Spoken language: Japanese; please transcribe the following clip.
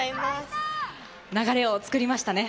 流れを作りましたね。